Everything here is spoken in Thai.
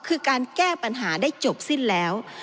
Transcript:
คือการแก้ปัญหาได้จบสิ้นแล้ว